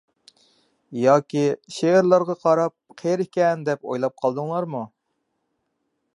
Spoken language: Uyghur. ياكى شېئىرغا قاراپ قېرى ئىكەن دەپ ئويلاپ قالدىڭلارمۇ؟